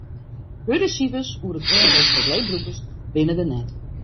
Hurde sifers oer it oantal probleembrûkers binne der net.